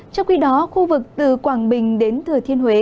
trong khi đó khu vực từ quảng bình đến thừa thiên huế